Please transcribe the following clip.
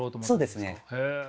そうですね。